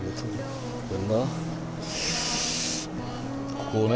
ここをね。